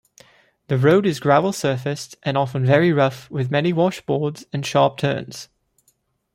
The road is gravel-surfaced, and often very rough with many washboards and sharp turns.